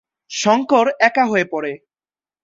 শঙ্কর একা হয়ে পড়ে।